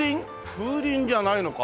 風鈴じゃないのか。